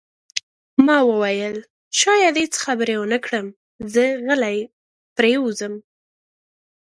ما وویل: شاید هیڅ خبرې ونه کړم، زه غلی پرېوځم.